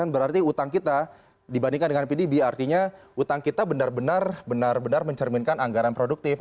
berarti utang kita dibandingkan dengan pdb artinya utang kita benar benar benar mencerminkan anggaran produktif